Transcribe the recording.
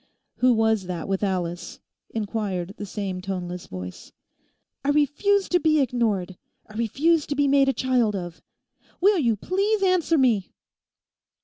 'Who was that with Alice?' inquired the same toneless voice. 'I refuse to be ignored. I refuse to be made a child of. Will you please answer me?